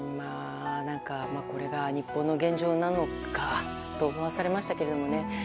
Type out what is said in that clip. これが日本の現状なのかと思わされましたけどね。